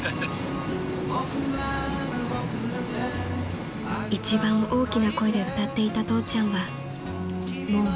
［一番大きな声で歌っていた父ちゃんはもう歌いません］